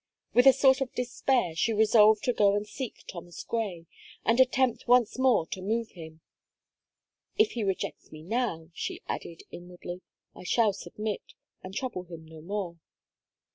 With a sort of despair, she resolved to go and seek Thomas Gray, and attempt once more to move him. "If he rejects me now," she added, inwardly, "I shall submit, and trouble him no more."